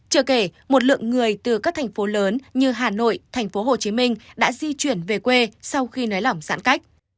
chưa kể một lượng người từ các thành phố lớn như hà nội thành phố hồ chí minh đã di chuyển về quê sau khi nới lỏng sản cách